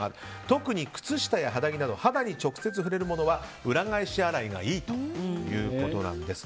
特に靴下や肌着など肌に直接触れるものは裏返し洗いがいいということなんです。